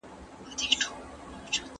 څنګه جګړه پر نورو هیوادونو اغیز کوي؟